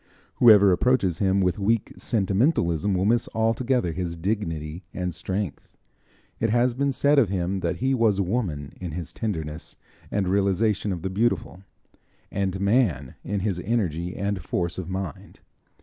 Whoever approaches him with weak sentimentalism will miss altogether his dignity and strength. It has been said of him that he was Woman in his tenderness and realization of the beautiful; and Man in his energy and force of mind.